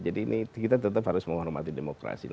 jadi ini kita tetap harus menghormati demokrasi